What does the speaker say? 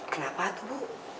kenapa itu bu